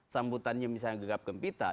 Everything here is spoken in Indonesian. sambutannya misalnya gegap kempitan